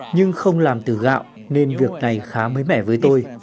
nhưng không làm từ gạo nên việc này khá là đặc biệt